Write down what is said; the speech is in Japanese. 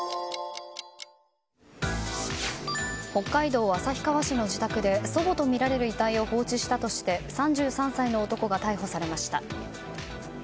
北海道旭川市の自宅で祖母とみられる遺体を放置したとして３３歳の男が逮捕されました。